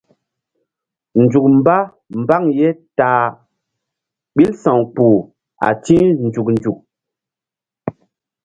Nzuk mba mbaŋ ye ta a ɓil sa̧w kpuh a ti̧h nzuk nzuk.